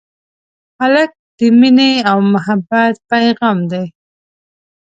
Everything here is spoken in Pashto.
هلک د مینې او محبت پېغام دی.